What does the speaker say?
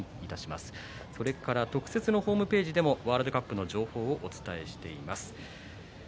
また特設のホームページでもワールドカップの情報をお伝えしています。